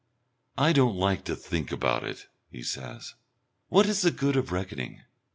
"I don't like to think about it," he says. "What is the good of reckoning ...